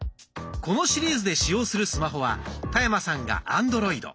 このシリーズで使用するスマホは田山さんがアンドロイド。